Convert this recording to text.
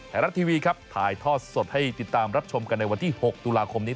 ไทยรัฐทีวีครับถ่ายทอดสดให้ติดตามรับชมกันในวันที่๖ตุลาคมนี้